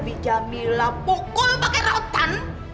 bija mila pukul pakai rawatan